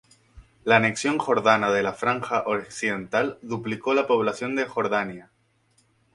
La anexión jordana de la Franja Occidental duplicó la población de Jordania.